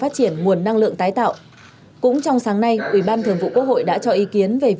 chuyên đề một mươi